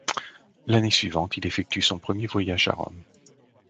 L'année suivante il effectue son premier voyage à Rome.